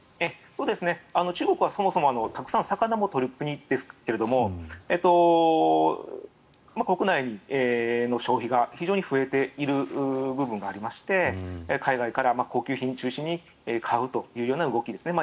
中国はそもそもたくさん魚を取る国ですが国内の消費が非常に増えている部分がありまして海外から高級品を中心に買うような動きですね。